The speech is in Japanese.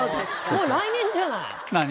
もう来年じゃない。